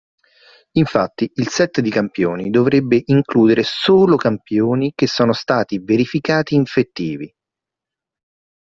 Infatti, il set di campioni dovrebbe includere solo campioni che sono stati verificati infettivi.